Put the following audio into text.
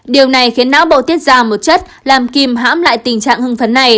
điều này khiến não bộ tiết ra một chất làm kìm hãm lại tình trạng hưng phấn này